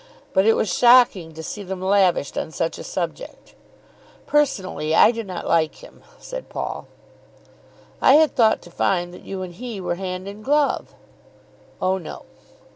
But it was shocking to see them lavished on such a subject. "Personally, I do not like him," said Paul. "I had thought to find that you and he were hand and glove." "Oh no."